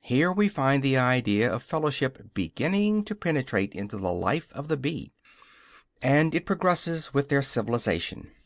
Here we find the idea of fellowship beginning to penetrate into the life of the bee, and it progresses with their civilization.